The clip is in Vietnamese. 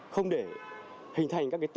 không để hình thành các tình hình